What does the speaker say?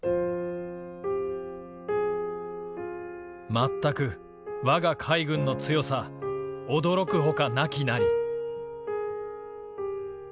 「全く我が海軍の強さ驚くほかなきなり」。